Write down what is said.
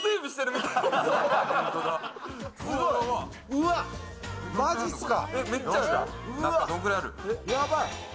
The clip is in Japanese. うわっ、マジっすか。